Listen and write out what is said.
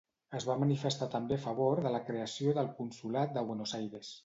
Es va manifestar també a favor de la creació del Consolat de Buenos Aires.